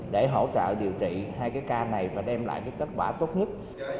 để hỗ trợ điều trị hai cái ca này và đem lại kết quả tốt nhất